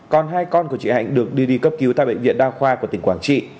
còn hai con của chị hạnh được đưa đi cấp cứu tại bệnh viện đa khoa của tỉnh quảng trị